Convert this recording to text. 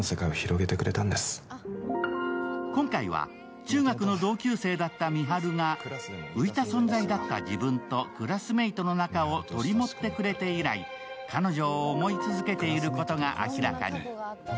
今回は中学の同級生だった美晴が浮いた存在だった自分とクラスメートの仲を取り持ってくれて以来、彼女を思い続けていることが明らかに。